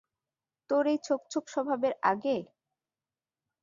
তোর এই ছোক ছোক স্বভাবের আগে?